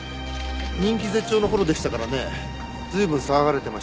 人気絶頂の頃でしたからね随分騒がれていました。